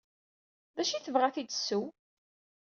D acu ay tebɣa ad t-id-tesseww?